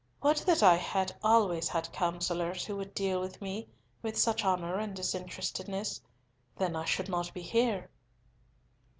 "Would that I had always had counsellors who would deal with me with such honour and disinterestedness. Then should I not be here."